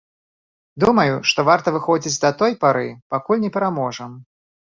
Думаю, што варта выходзіць да той пары, пакуль не пераможам.